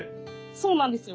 そうなんですよ。